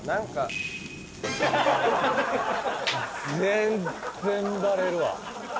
全然バレるわ。